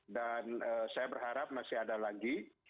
dan saya berharap masih ada lagi